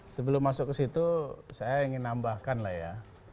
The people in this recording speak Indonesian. sebelum masuk ke situ saya ingin nambahkan lah ya